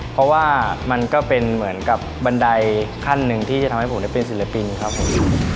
เพราะว่ามันก็เป็นเหมือนกับบันไดขั้นหนึ่งที่จะทำให้ผมได้เป็นศิลปินครับผม